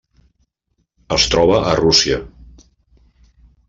Es troba a Rússia: